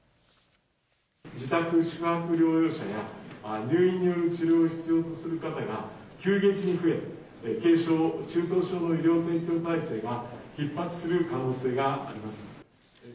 自宅、宿泊療養者や、入院による治療を必要とする方が急激に増え、軽症・中等症の医療提供体制がひっ迫する可能性があります。